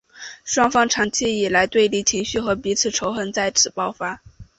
双方长期以来的对立情绪和彼此仇恨在此刻爆发。